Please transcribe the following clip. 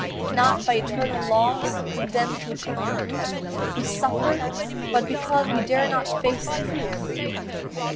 Not by eternal laws Condemn'd to eternal ruth, We suffer; but because We dare not face the truth.